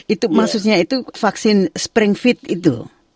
itu maksudnya itu vaksin spring fit itu